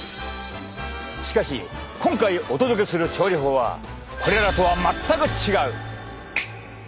しかし今回お届けする調理法はこれらとは全く違う！